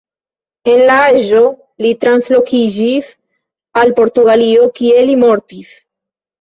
En la aĝo li translokiĝis al Portugalio, kie li mortis.